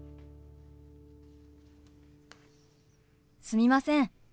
すみません。